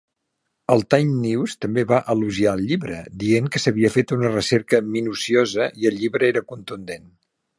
El Times-News també va elogiar el llibre, dient que s'havia fet "una recerca minuciosa" i el llibre era "contundent".